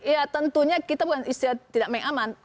ya tentunya kita bukan istilah tidak main aman